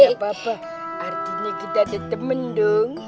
nggak apa apa artinya kita ada temen dong